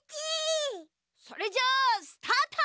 それじゃスタート！